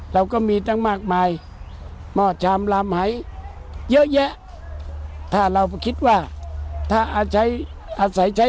เราก็มีตั้งมากมายหม้อชามลามหายเยอะแยะถ้าเราคิดว่าถ้าใช้อาศัยใช้